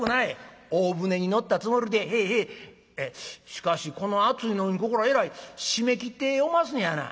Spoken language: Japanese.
しかしこの暑いのにここらえらい閉めきっておますんやな」。